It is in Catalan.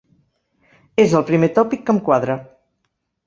És el primer tòpic que em quadra.